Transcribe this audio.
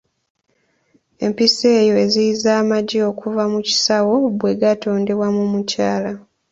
Empiso eyo eziyiza amagi okuva mu kisawo mwe gatondebwa mu mukyala.